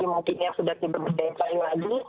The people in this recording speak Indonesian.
makinnya sudah diberbedakan lagi